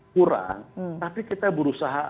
kurang tapi kita berusaha